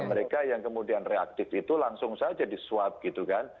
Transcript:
mereka yang kemudian reaktif itu langsung saja di swab gitu kan